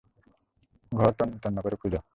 ঘর তন্ন তন্ন করে খোঁজ।